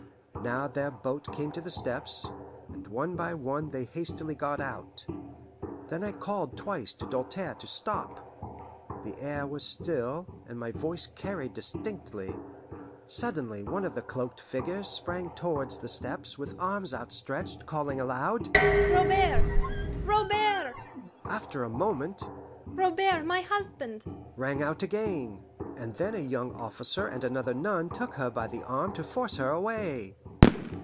Now their boat came to the steps, and one by one they hastily got out. Then I called twice to Doltaire to stop. The air was still, and my voice carried distinctly. Suddenly one of the cloaked figures sprang towards the steps with arms outstretched, calling aloud, "Robert! Robert!" After a moment, "Robert, my husband!" rang out again, and then a young officer and the other nun took her by the arm to force her away.